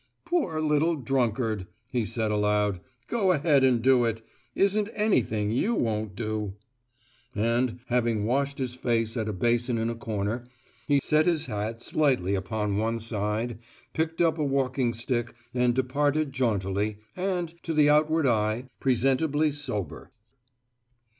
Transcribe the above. "Poor little drunkard!" he said aloud. "Go ahead and do it. Isn't anything you won't do!" And, having washed his face at a basin in a corner, he set his hat slightly upon one side, picked up a walking stick and departed jauntily, and, to the outward eye, presentably sober.